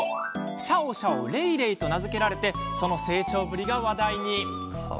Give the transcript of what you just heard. シャオシャオ、レイレイと名付けられましてその成長ぶりが話題に。